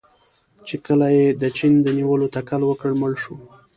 چې کله یې د چین د نیولو تکل وکړ، مړ شو.